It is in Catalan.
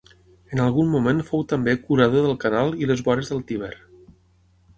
En algun moment fou també curador del canal i les vores del Tíber.